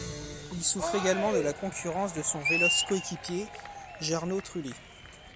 Il souffre également de la concurrence de son véloce coéquipier Jarno Trulli.